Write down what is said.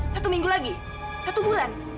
satu minggu lagi satu bulan